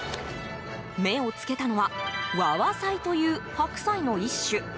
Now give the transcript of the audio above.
目をつけたのはワワサイという白菜の一種。